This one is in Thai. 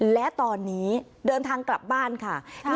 และตอนนี้เดินทางกลับบ้านค่ะ